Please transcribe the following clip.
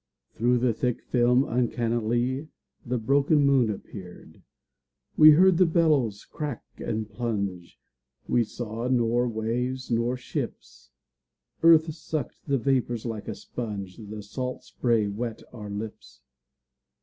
Through the thick film uncannily The broken moon appeared. We heard the billows crack and plunge, We saw nor waves nor ships. Earth sucked the vapors like a sponge, The salt spray wet our lips.